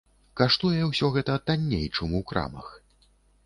Каштуе ўсё гэта танней, чым у крамах.